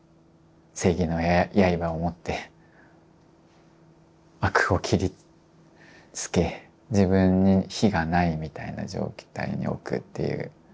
正義の刃を持って悪を切りつけ自分に非がないみたいな状態に置くっていう。